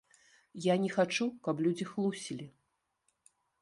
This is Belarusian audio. Я не хачу, каб людзі хлусілі.